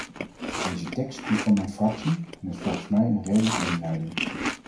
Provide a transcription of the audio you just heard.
Deze tekst komt van mijn fractie, en is volgens mij een redelijke inleiding.